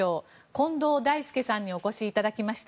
近藤大介さんにお越しいただきました。